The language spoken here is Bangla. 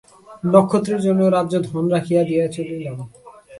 নক্ষত্রের জন্য রাজ্য ধন রাখিয়া দিয়া চলিলাম।